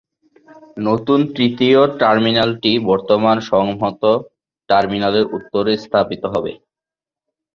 নতুন তৃতীয় টার্মিনালটি বর্তমান সংহত টার্মিনালের উত্তরে স্থাপিত হবে।